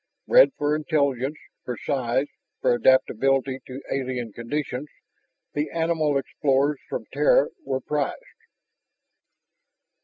Bred for intelligence, for size, for adaptability to alien conditions, the animal explorers from Terra were prized.